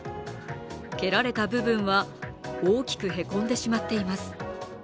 蹴られた部分は大きくへこんでしまっています